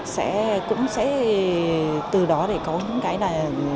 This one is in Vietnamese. sẽ cũng sẽ từ đó để có những cái này